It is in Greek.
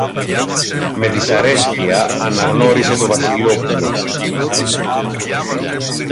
Με δυσαρέσκεια αναγνώρισε το Βασιλόπουλο